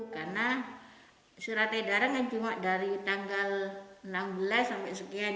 karena surat edaran yang cuma dari tanggal enam belas sampai sekian